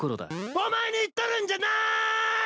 お前に言っとるんじゃない！